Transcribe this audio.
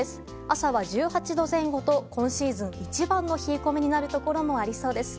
朝は１８度前後と今シーズン一番の冷え込みになるところもありそうです。